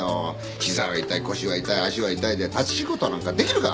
ひざは痛い腰は痛い足は痛いで立ち仕事なんかできるか！